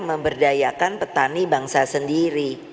memberdayakan petani bangsa sendiri